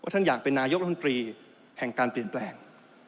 ท่านอยากเป็นนายกรัฐมนตรีแห่งการเปลี่ยนแปลง